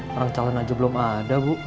orang calon aja belum ada bu